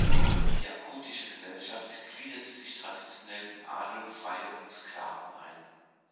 Die jakutische Gesellschaft gliederte sich traditionell in Adel, Freie und Sklaven ein.